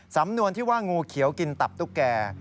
สำนวนที่ว่างูเขียวกินตับตุ๊กแก่